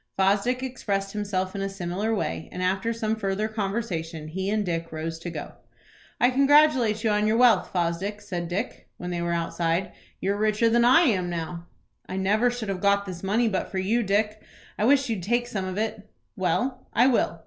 Fosdick expressed himself in a similar way, and after some further conversation he and Dick rose to go. "I congratulate you on your wealth, Fosdick," said Dick, when they were outside. "You're richer than I am now." "I never should have got this money but for you, Dick. I wish you'd take some of it." "Well, I will.